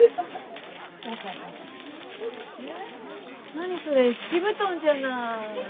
何それ敷き布団じゃない。